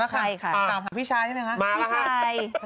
มาแล้วค่ะพี่ชายใช่ไหมคะ